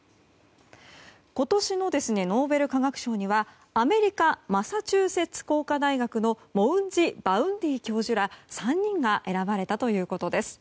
今年のノーベル化学賞にはアメリカマサチューセッツ工科大学のモウンジ・バウェンディ教授ら３人が選ばれたということです。